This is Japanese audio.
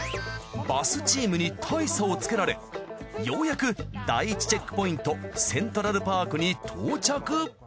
バスチームに大差をつけられようやく第１チェックポイントセントラルパークに到着。